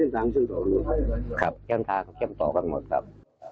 ทางทางเข้มต่อกันหมดครับ